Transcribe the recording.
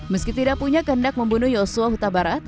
meski tidak punya kehendak membunuh yosua huta barat